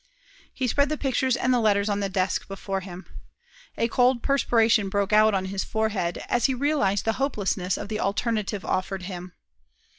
He spread the pictures and the letters on the desk before him. A cold perspiration broke out on his forehead, as he realized the hopelessness of the alternative offered him.